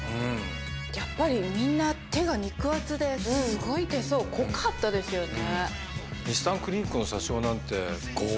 やっぱりみんな手が肉厚ですごい手相濃かったですよね。